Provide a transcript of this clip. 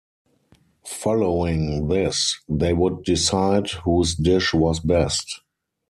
Following this, they would decide whose dish was best.